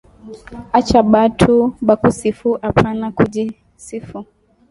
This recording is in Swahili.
Acha batu bakusifu apana kuji sifu